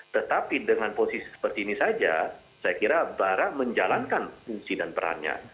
tetapi dengan posisi seperti ini saja saya kira bara menjalankan fungsi dan perannya